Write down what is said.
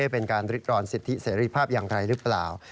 เป็นการริกรอนสิทธิเสรีภาพอย่างไรหรือเปล่า